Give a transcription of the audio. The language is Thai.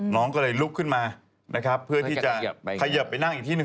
น้องก็เลยลุกขึ้นมานะครับเพื่อที่จะขยับไปนั่งอีกที่หนึ่ง